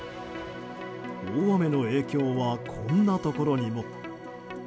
大雨の影響はこんなところにも。